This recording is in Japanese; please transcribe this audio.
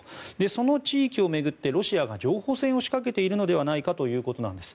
その地域を巡ってロシアが情報戦を仕掛けているのではないかということなんです。